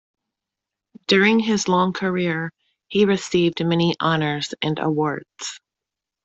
During his long career, he received many honours and awards.